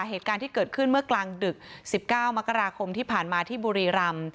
เหตุการณ์ที่เกิดขึ้นเมื่อกลางดึก๑๙มกราคมที่ผ่านมาที่บุรีรำ